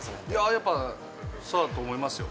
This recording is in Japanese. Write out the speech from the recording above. やっぱそうだと思いますよ。